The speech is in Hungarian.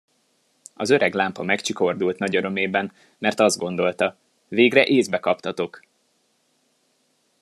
Az öreg lámpa megcsikordult nagy örömében, mert azt gondolta: Végre észbe kaptatok!